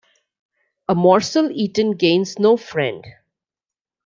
A morsel eaten gains no friend.